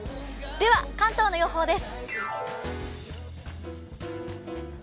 では関東の予報です。